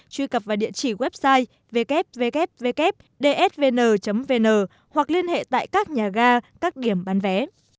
truy cập vào địa chỉ website ww dsvn vn hoặc liên hệ tại các nhà ga các điểm bán vé